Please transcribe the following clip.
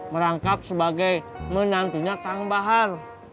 merangkap sebagai menantunya kang bahar